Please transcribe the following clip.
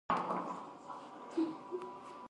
د کلي د کلا په منځ کې یو پخوانی ژور کوهی موجود دی.